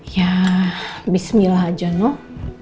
ya bismillah aja noh